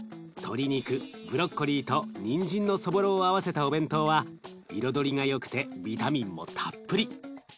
鶏肉ブロッコリーとにんじんのそぼろを合わせたお弁当は彩りがよくてビタミンもたっぷり。